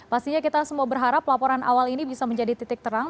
pastinya kita semua berharap laporan awal ini bisa menjadi titik terang